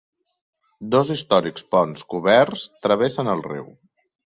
Dos històrics ponts coberts travessen el riu.